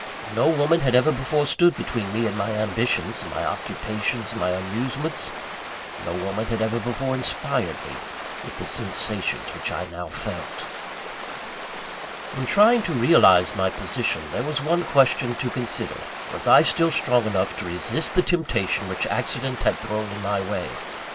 No woman had ever before stood between me and my ambitions, my occupations, my amusements. No woman had ever before inspired me with the sensations which I now felt. In trying to realise my position, there was this one question to consider; was I still strong enough to resist the temptation which accident had thrown in my way?